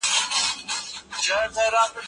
علمي او فکري غنا د خوشحاله ژوند بنسټ دی.